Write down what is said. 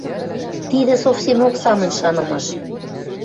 Тидӹ совсемок самынь шанымаш.